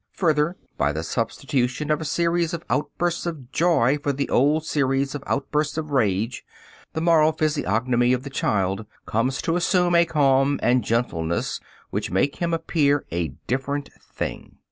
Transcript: Further, by the substitution of a series of outbursts of joy for the old series of outbursts of rage, the moral physiognomy of the child comes to assume a calm and gentleness which make him appear a different being.